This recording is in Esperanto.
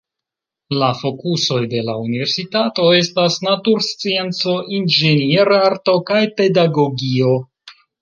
La fokusoj de la universitato estas naturscienco, inĝenierarto kaj pedagogio.